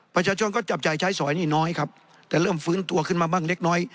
ประชาชนก็จับจ่ายใช้สอยนี่น้อยครับแต่เริ่มฟื้นตัวขึ้นมาบ้างเล็กน้อย